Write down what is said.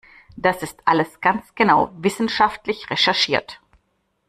Das ist alles ganz genau wissenschaftlich recherchiert!